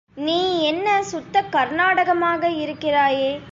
நீ என்ன சுத்தக் கர்னாடகமாக இருக்கிறாயே?